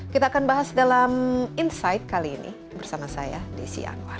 kita akan bahas dalam insight kali ini bersama saya desi anwar